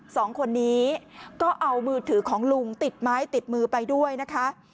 สองคนนี้ก็เอามือถือของลุงติดไม้ติดมือไปด้วยนะคะ